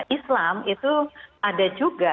islam itu ada juga